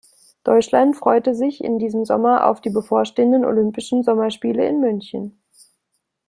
Deutschland freute sich in diesem Sommer auf die bevorstehenden Olympischen Sommerspiele in München.